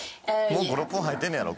もう５６分入ってんねやろ？